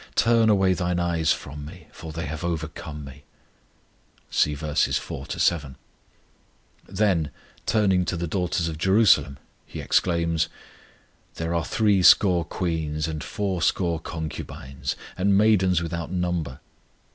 Turn away thine eyes from Me, For they have overcome Me. (See vv. 4 7.) Then, turning to the daughters of Jerusalem, He exclaims: There are threescore queens, and fourscore concubines, And maidens without number.